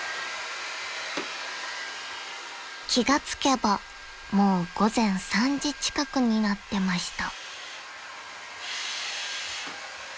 ［気が付けばもう午前３時近くになってました］